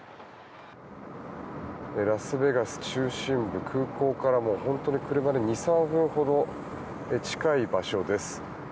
ラスベガス中心部空港から本当に車で２３分ほど近い場所です。